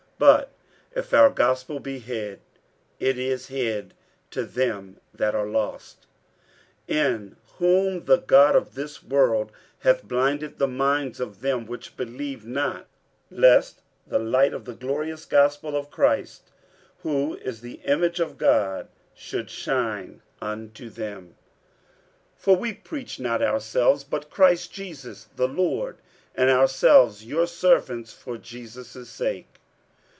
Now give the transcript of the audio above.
47:004:003 But if our gospel be hid, it is hid to them that are lost: 47:004:004 In whom the god of this world hath blinded the minds of them which believe not, lest the light of the glorious gospel of Christ, who is the image of God, should shine unto them. 47:004:005 For we preach not ourselves, but Christ Jesus the Lord; and ourselves your servants for Jesus' sake.